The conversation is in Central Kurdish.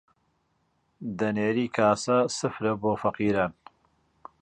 دەنێری کاسە سفرە بۆ فەقیران